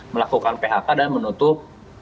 melakukan phk dan menutup